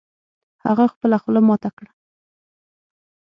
هغه خپله خوله ماته کړه